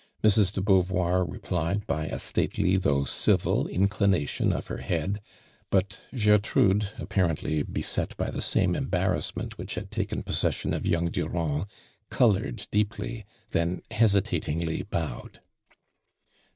Mrs. de Beauvoir replied by a stately though civil inclination of her l)oad, but Gertrude, apparently beset by the same embarrassment which had taken possess! jn of young Durand, colored deeply, then hesitatingly bowed.